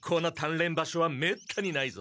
れん場所はめったにないぞ。